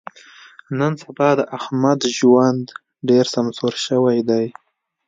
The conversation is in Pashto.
نن سبا د احمد ژوند ډېر سمسور شوی دی.